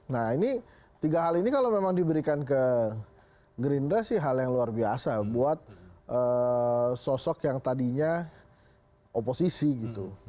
nah ini tiga hal ini kalau memang diberikan ke gerindra sih hal yang luar biasa buat sosok yang tadinya oposisi gitu